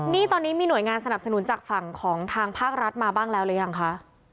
นี่ตอนนี้มีหน่วยงานสนับสนุนจากฝั่งของทางภาครัฐมาบ้างแล้วหรือยังคะ